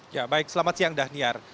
ya baik selamat siang dhaniar